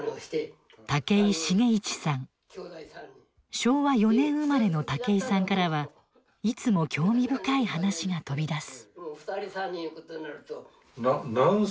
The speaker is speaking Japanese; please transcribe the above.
昭和４年生まれの竹井さんからはいつも興味深い話が飛び出す。